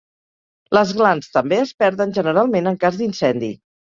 Les glans també es perden generalment en cas d'incendi.